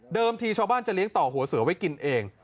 ทีชาวบ้านจะเลี้ยงต่อหัวเสือไว้กินเอง